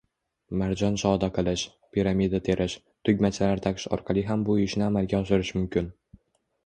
Marjon shoda qilish, piramida terish, tugmachalar taqish orqali ham bu ishni amalga oshirish mumkin.